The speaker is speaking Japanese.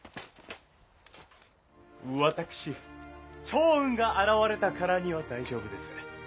私趙雲が現れたからには大丈夫です。